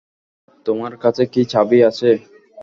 তোমার কাছে কি চাবি আছে?